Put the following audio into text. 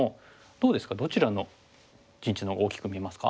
どうですかどちらの陣地のほうが大きく見えますか？